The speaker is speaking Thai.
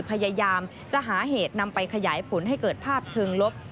พยายามจะหาเหตุนำไปขยายผลให้เกิดภาพเชิงลบ